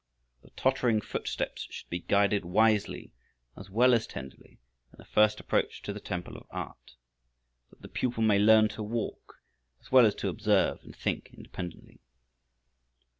The tottering footsteps should be guided wisely, as well as tenderly, in the first approach to the Temple of Art, that the pupil may learn to walk, as well as to observe and think independently.